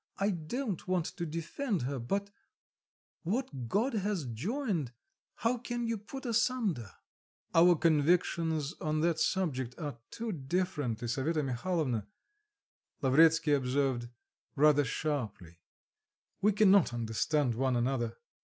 I don't want to defend her; but what God has joined, how can you put asunder?" "Our convictions on that subject are too different, Lisaveta Mihalovna," Lavretsky observed, rather sharply; "we cannot understand one another."